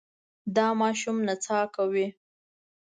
دا ماشوم نڅا کوي.